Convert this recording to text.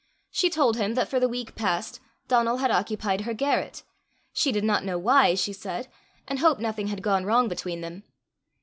She told him that for the week past Donal had occupied her garret she did not know why, she said, and hoped nothing had gone wrong between them.